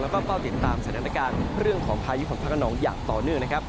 แล้วก็เฝ้าติดตามสถานการณ์เรื่องของพายุฝนฟ้ากระนองอย่างต่อเนื่องนะครับ